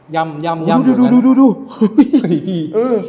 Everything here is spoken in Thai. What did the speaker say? ย่ำดูพี่